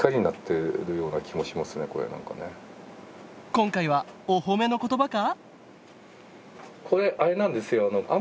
今回はお褒めの言葉か？